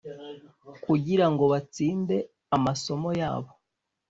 kugira ngo batsinde amasomo yabo’